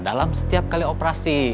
dalam setiap kali operasi